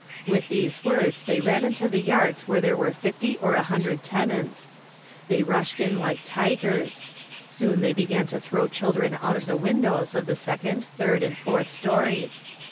With these words they ran into the yards where there were fifty or a hundred tenants. They rushed in like tigers. Soon they began to throw children out of the windows of the second, third, and fourth stories.